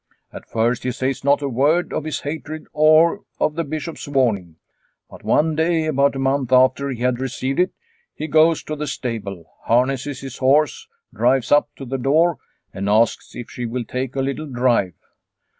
At first he says not a word either of his hatred or of the Bishop's warning ; but one day, about a month after he had received it, he goes to the stable, harnesses his horse, drives up to the door, and asks if she will take a little drive.